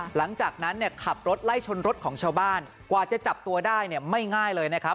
หลังจากนั้นเนี่ยขับรถไล่ชนรถของชาวบ้านกว่าจะจับตัวได้เนี่ยไม่ง่ายเลยนะครับ